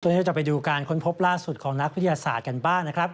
เราจะไปดูการค้นพบล่าสุดของนักวิทยาศาสตร์กันบ้างนะครับ